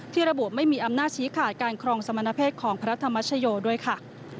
ระบุไม่มีอำนาจชี้ขาดการครองสมณเพศของพระธรรมชโยด้วยค่ะ